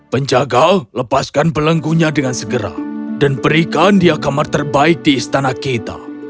penjaga lepaskan belenggunya dengan segera dan berikan dia kamar terbaik di istana kita